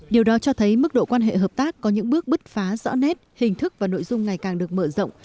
điều đó cho thấy mức độ quan hệ hợp tác có những bước bứt phá rõ nét hình thức và nội dung ngày càng được mở rộng